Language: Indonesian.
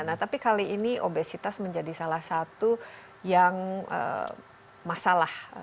nah tapi kali ini obesitas menjadi salah satu yang masalah